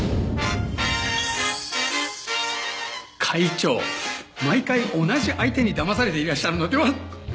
会長毎回同じ相手にだまされていらっしゃるのでは？